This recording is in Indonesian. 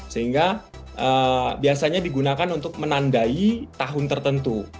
sehingga biasanya digunakan untuk menandai tahun tertentu